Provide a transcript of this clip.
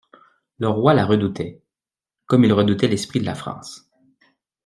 Le roi la redoutait, comme il redoutait l'esprit de la France.